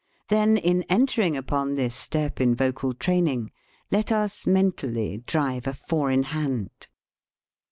Then, in entering upon this step in vocal training, let us mentally drive a four in hand.